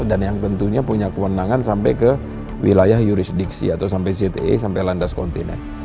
dan yang tentunya punya kewenangan sampai ke wilayah jurisdiksi atau sampai cte sampai landas kontinen